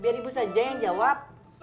biar ibu saja yang jawab